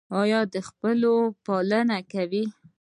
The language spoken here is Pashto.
ایا د خپلوۍ پالنه کوئ؟